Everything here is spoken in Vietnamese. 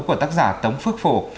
của tác giả tống phước phổ